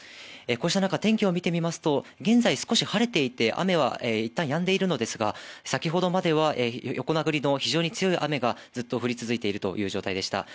こうした中、天気を見てみますと、現在少し晴れていて、雨は一旦やんでいるのですが、先程までは横殴りの非常に強い雨がずっと降り続いているという状態でした。